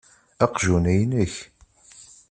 Aqjun-a inek.